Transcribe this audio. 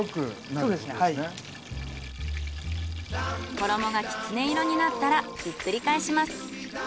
衣がきつね色になったらひっくり返します。